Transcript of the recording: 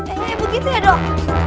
eh begitu ya dok